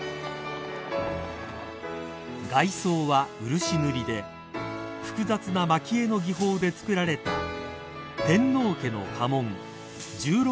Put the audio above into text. ［外装は漆塗りで複雑な蒔絵の技法でつくられた天皇家の家紋１６